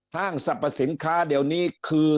ห้างสรรพสินค้าเดี๋ยวนี้คือ